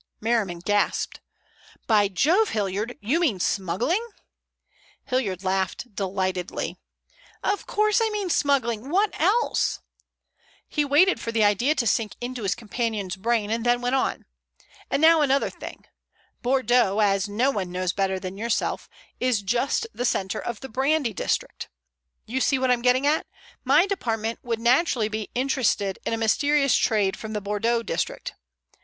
Merriman gasped. "By Jove, Hilliard! You mean smuggling?" Hilliard laughed delightedly. "Of course I mean smuggling, what else?" He waited for the idea to sink into his companion's brain, and then went on: "And now another thing. Bordeaux, as no one knows better than yourself, is just the center of the brandy district. You see what I'm getting at. My department would naturally be interested in a mysterious trade from the Bordeaux district.